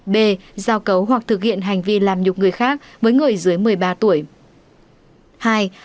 b giao cấu hoặc thực hiện hành vi làm nhục người khác với người dưới một mươi ba tuổi